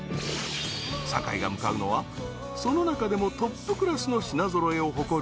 ［坂井が向かうのはその中でもトップクラスの品揃えを誇るお店］